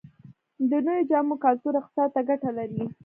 د نویو جامو کلتور اقتصاد ته ګټه لري؟